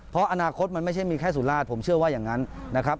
เพราะอนาคตมันไม่ใช่มีแค่สุราชผมเชื่อว่าอย่างนั้นนะครับ